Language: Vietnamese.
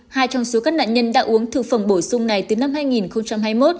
hai trong số các nạn nhân đã uống thực phẩm bổ sung này từ năm hai nghìn hai mươi một